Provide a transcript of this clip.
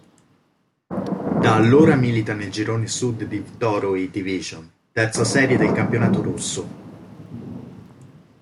Da allora milita nel girone sud di Vtoroj divizion, terza serie del campionato russo.